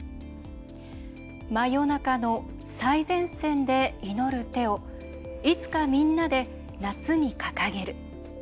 「真夜中の最前線で祈る手をいつかみんなで夏に掲げる」。